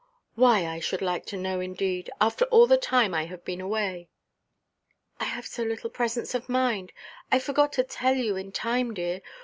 "Why? I should like to know, indeed! After all the time I have been away!" "I have so little presence of mind. I forgot to tell you in time, dear.